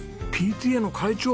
ＰＴＡの会長！？